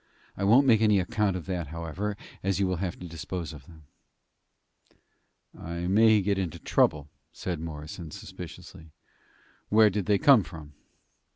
I won't make any account of that, however, as you will have to dispose of them." "I may get into trouble," said Morrison, suspiciously. "Where did they come from?"